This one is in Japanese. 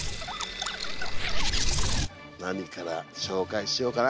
何から紹介しようかな。